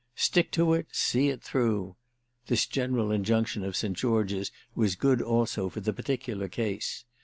"Stick to it—see it through": this general injunction of St. George's was good also for the particular case.